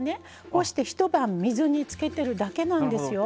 こうして一晩水につけてるだけなんですよ。